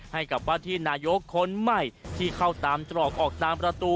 ให้กับว่าที่นายกคนใหม่ที่เข้าตามตรอกออกตามประตู